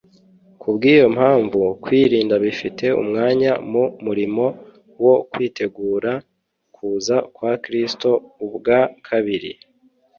Kubw'iyo mpamvu, kwirinda bifite umwanya mu murimo wo kwitegurira kuza kwa Kristo ubwa kabiri.